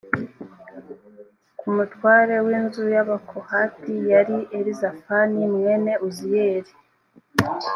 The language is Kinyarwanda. k umutware w inzu y abakohati yari elizafani mwene uziyeli